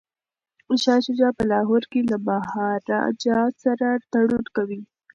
شاه شجاع په لاهور کي له مهاراجا سره تړون کوي.